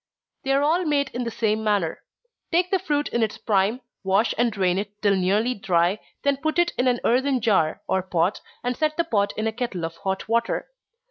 _ They are all made in the same manner. Take the fruit in its prime, wash and drain it till nearly dry, then put it in an earthen jar, or pot, and set the pot in a kettle of hot water.